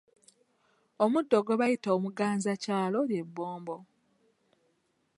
Omuddo gwe bayita omuganzakyalo ly'ebbombo.